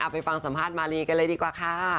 ไปฟังสัมภาษณ์มารีกันเลยดีกว่าค่ะ